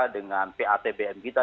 dengan patbm kita